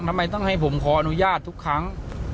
ทำไมต้องให้ผมขออนุญาตทุกครั้ง